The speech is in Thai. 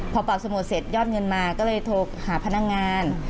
พอเป่าสโมดเสร็จยอดเงินมาก็เลยโทรหาพนักงาน